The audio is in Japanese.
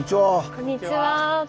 こんにちは。